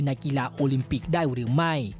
กีฬาโอลิมปิกได้หรือไม่